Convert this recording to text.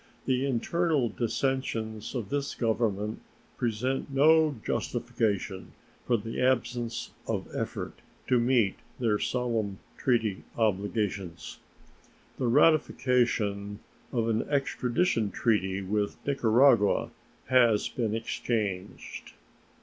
The internal dissensions of this Government present no justification for the absence of effort to meet their solemn treaty obligations. The ratification of an extradition treaty with Nicaragua has been exchanged.